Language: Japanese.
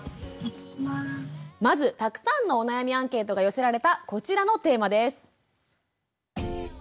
まずたくさんのお悩みアンケートが寄せられたこちらのテーマです。